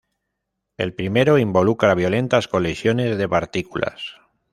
El primero involucra violentas colisiones de partículas.